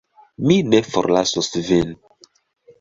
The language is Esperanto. Mi ne forlasos Vin.